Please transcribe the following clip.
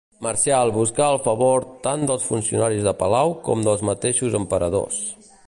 Marcial buscà el favor tant dels funcionaris de palau com dels mateixos emperadors.